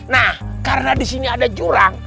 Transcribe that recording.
nah karena di sini ada jurang